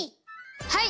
はい！